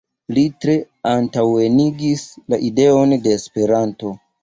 Li tre antaŭenigis la ideon de Esperanto.